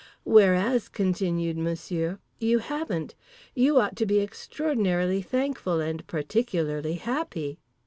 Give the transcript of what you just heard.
"Whereas," continued Monsieur, "you haven't. You ought to be extraordinarily thankful and particularly happy!"